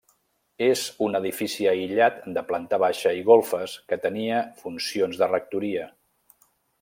És un edifici aïllat de planta baixa i golfes que tenia funcions de rectoria.